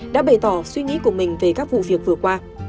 đã bày tỏ suy nghĩ của mình về các vụ việc vừa qua